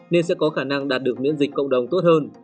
nên sẽ có khả năng đạt được miễn dịch cộng đồng tốt hơn